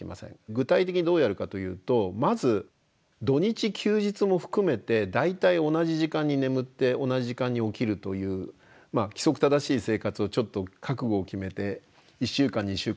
具体的にどうやるかというとまず土日休日も含めて大体同じ時間に眠って同じ時間に起きるという規則正しい生活をちょっと覚悟を決めて１週間２週間やって下さい。